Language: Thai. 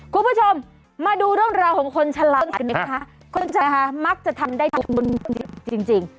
คุณผู้ชมมาดูเริ่มราวของคนคนชามาคจะทำได้จริง